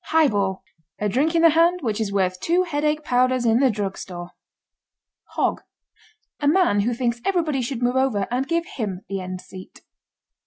HIGHBALL. A drink in the hand which is worth two headache powders in the drugstore. HOG. A man who thinks everybody should move over and give him the end seat.